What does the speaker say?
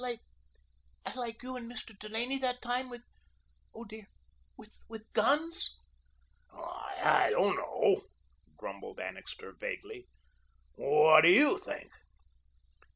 "Fight like like you and Mr. Delaney that time with oh, dear with guns?" "I don't know," grumbled Annixter vaguely. "What do YOU think?"